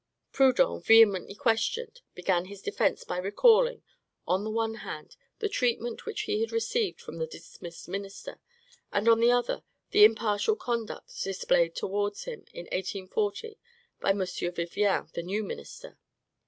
Proudhon, vehemently questioned, began his defence by recalling, on the one hand, the treatment which he had received from the dismissed minister; and, on the other, the impartial conduct displayed towards him in 1840 by M. Vivien, the new minister.